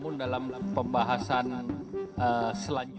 namun dalam pembahasan selanjutnya